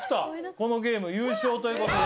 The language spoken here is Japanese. このゲーム優勝ということで。